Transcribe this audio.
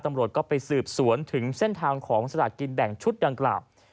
ตำรวจก็ไปสืบสวนถึงเส้นทางของสลากกินแบ่งชุดดังกล่าว